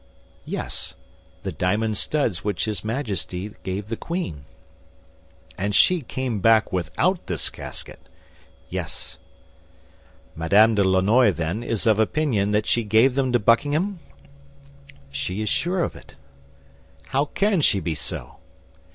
"Yes; the diamond studs which his Majesty gave the queen." "And she came back without this casket?" "Yes." "Madame de Lannoy, then, is of opinion that she gave them to Buckingham?" "She is sure of it." "How can she be so?"